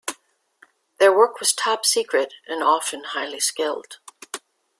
Their work was top secret and often highly skilled.